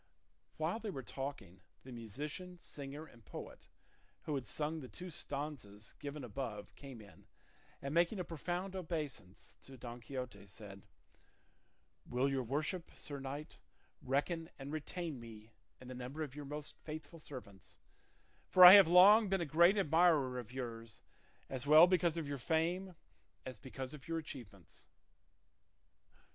While they were talking, the musician, singer, and poet, who had sung the two stanzas given above came in, and making a profound obeisance to Don Quixote said, "Will your worship, sir knight, reckon and retain me in the number of your most faithful servants, for I have long been a great admirer of yours, as well because of your fame as because of your achievements?"